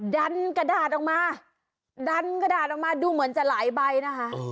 ดันกระดาษออกมาดูเหมือนจะหลายใบนะคะ